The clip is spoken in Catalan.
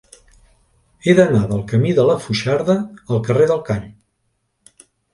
He d'anar del camí de la Foixarda al carrer del Call.